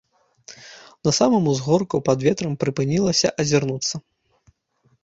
На самым узгорку пад ветрам прыпынілася азірнуцца.